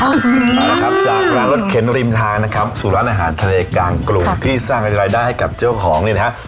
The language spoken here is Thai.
เอาละครับจากร้านรถเข็นริมทางนะครับสู่ร้านอาหารทะเลกลางกรุงที่สร้างรายได้ให้กับเจ้าของเนี่ยนะฮะ